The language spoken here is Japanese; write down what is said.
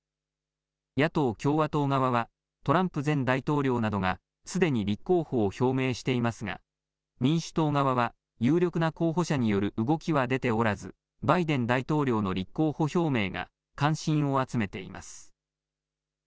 野党・共和党側はトランプ前大統領などがすでに立候補を表明していますが民主党側は有力な候補者による動きは出ておらずバイデン大統領の立候補表明が関心を集めています。